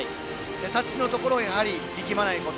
タッチのところで力まないこと。